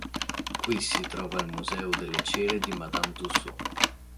Qui si trova il museo delle cere di Madame Tussauds.